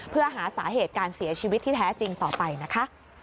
เพื่อหาสาเหตุการเสียชีวิตที่แท้จริงต่อไปนะคะ